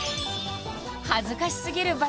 恥ずかしすぎる罰